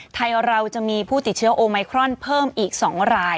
ไทยเราจะมีผู้ติดเชื้อโอไมครอนเพิ่มอีก๒ราย